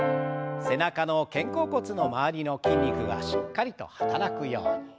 背中の肩甲骨の周りの筋肉がしっかりと働くように。